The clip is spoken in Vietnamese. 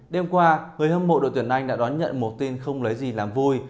đêm qua người hâm mộ đội tuyển anh đã đón nhận một tin không lấy gì làm vui